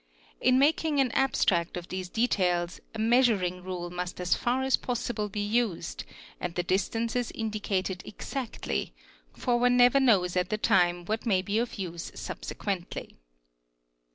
In making an abstract of these details a measuring rule must as far as possible be used and the distances indicated xxactly, for. one never knows at the time what may. be of use subse quently.